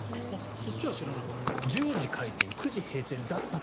そっちは知らなかった。